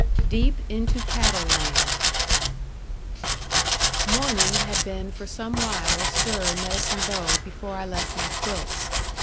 DEEP INTO CATTLE LAND Morning had been for some while astir in Medicine Bow before I left my quilts.